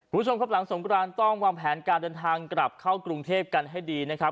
คุณผู้ชมครับหลังสงกรานต้องวางแผนการเดินทางกลับเข้ากรุงเทพกันให้ดีนะครับ